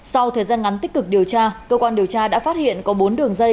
sau thời gian ngắn tích cực điều tra cơ quan điều tra đã phát hiện có bốn đường dây